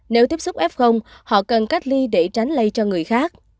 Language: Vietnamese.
nếu tiếp xúc f họ cần cách ly để tránh lây cho người khác